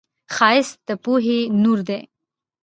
ښایست د پوهې نور دی